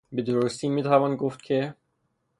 به درستی میتوان گفت که...